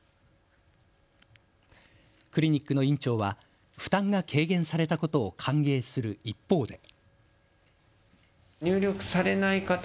クリニックの院長は負担が軽減されたことを歓迎する一方で。